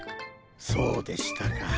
そうでしたか。